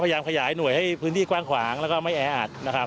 พยายามเขยายหน่วยให้พื้นที่กว้างขวางและไม่แอด